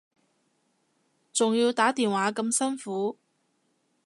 仲要打電話咁辛苦